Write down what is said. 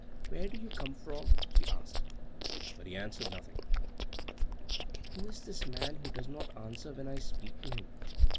where do you come from?" she asked. But he answered nothing. "Who is this man who does not answer when I speak to him?"